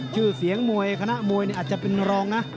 ชื่อเสียงมวยคณะมวยอาจจะเป็นรองนะ